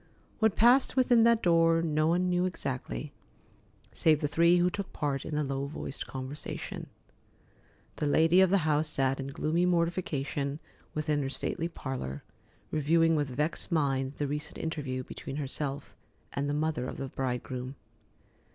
What passed within that door no one knew exactly, save the three who took part in the low voiced conversation. The lady of the house sat in gloomy mortification within her stately parlor, reviewing with vexed mind the recent interview between herself and the mother of the bridegroom.